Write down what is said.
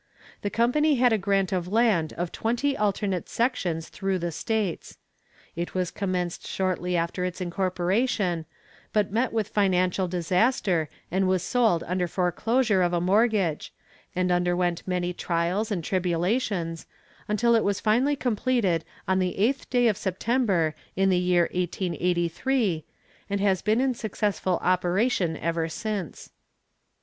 The company had a grant of land of twenty alternate sections through the states. It was commenced shortly after its incorporation, but met with financial disaster, and was sold under foreclosure of a mortgage, and underwent many trials and tribulations, until it was finally completed on the eighth day of September, in the year 1883, and has been in successful operation ever since.